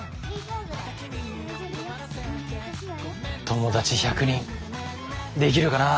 友達１００人できるかな。